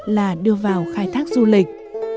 là đưa vào khai thác du lịch